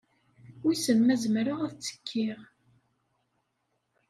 Wissen ma zemreɣ ad ttekkiɣ.